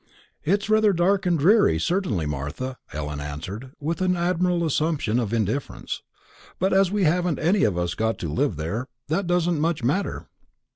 "It's rather dark and dreary, certainly, Martha," Ellen answered with an admirable assumption of indifference; "but, as we haven't any of us got to live there, that doesn't much matter."